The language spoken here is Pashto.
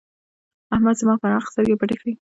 احمد زما پر حق سترګې پټې کړې.